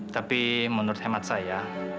tapi menurut hemat saya